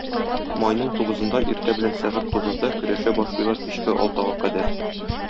Майның тугызында иртә белән сәгать тугызда көрәшә башлыйлар кичке алтыга кадәр.